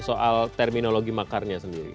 soal terminologi makarnya sendiri